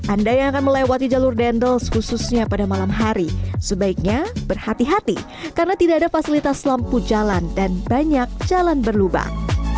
anda yang akan melewati jalur dendels khususnya pada malam hari sebaiknya berhati hati karena tidak ada fasilitas lampu jalan dan banyak jalan berlubang